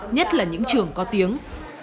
nhất là những trường có tiếng